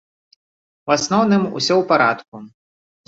У асноўным усё ў парадку.